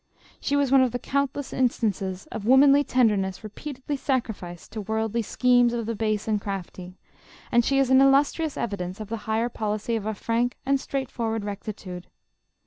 She was one of the countless instances of womanly tenderness repeatedly sacrificed to worldly schemes of the base and crafty ; and she is an illustrious evidence of the higher policy of a frank and straight forward rectitude.